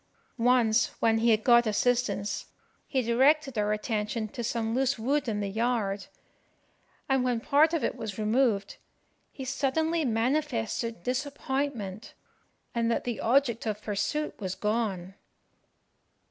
Once, when he had got assistance, he directed our attention to some loose wood in the yard; and when part of it was removed, he suddenly manifested disappointment, and that the object of pursuit was gone.